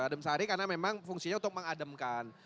adem sari karena memang fungsinya untuk mengademkan